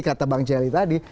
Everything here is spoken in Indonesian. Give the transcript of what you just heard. kata bang celi tadi